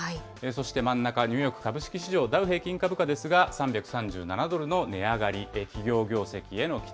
そして真ん中、ニューヨーク株式市場ダウ平均株価ですが、３３７ドルの値上がり。